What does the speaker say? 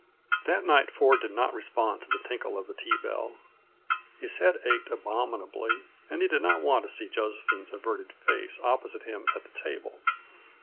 That night Ford did not respond to the tinkle of the tea bell. His head ached abominably, and he did not want to see Josephine's averted face opposite him at the table.